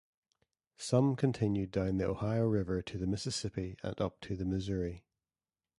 Some continued down the Ohio River to the Mississippi and up to the Missouri.